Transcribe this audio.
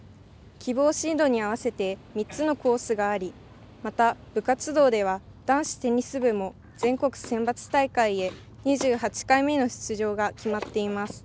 希望進路に合わせて３つのコースがありまた部活動では、男子テニス部も全国選抜大会へ２８回目の出場が決まっています。